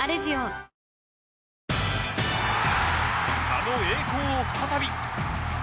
あの栄光を再び！